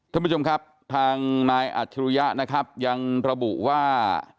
ท่านผู้ชมครับทางนายอัจฉริยะนะครับยังระบุว่า